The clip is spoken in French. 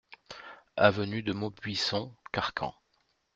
Avenue de Maubuisson, Carcans